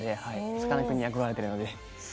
さかなクンに憧れているので。